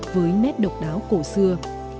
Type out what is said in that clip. với nét độc đáo cổ xưa